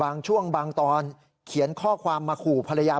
บางช่วงบางตอนเขียนข้อความมาขู่ภรรยา